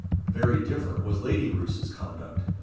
Very different was Lady Roos's conduct.